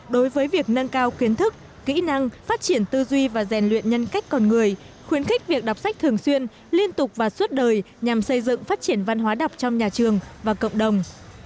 đối với việc nâng cao kiến thức kỹ năng phát triển tư duy và rèn luyện nhân cách con người khuyến khích việc đọc sách thường xuyên liên tục và suốt đời nhằm xây dựng phát triển văn hóa đọc trong nhà trường và cộng đồng